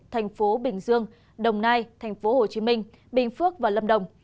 thành phố bình dương đồng nai thành phố hồ chí minh bình phước và lâm đồng